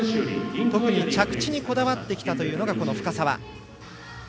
着地にこだわってきたというのが深沢。